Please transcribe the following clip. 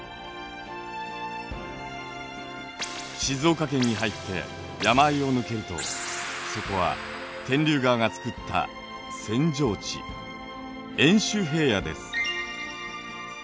静岡県に入って山あいを抜けるとそこは天竜川が作った扇状地遠州平野です。